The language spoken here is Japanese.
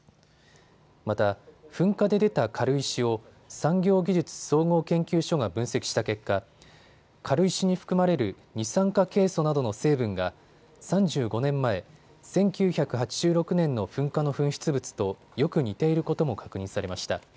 また噴火で出た軽石を産業技術総合研究所が分析した結果、軽石に含まれる二酸化ケイ素などの成分が３５年前、１９８６年の噴火の噴出物とよく似ていることも確認されました。